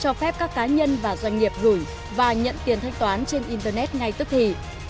cho phép các cá nhân và doanh nghiệp gửi và nhận tiền thanh toán trên internet ngay tức thì